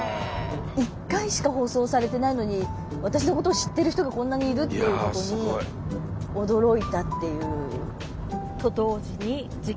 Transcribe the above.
１回しか放送されてないのに私のことを知ってる人がこんなにいるっていうことに驚いたっていう。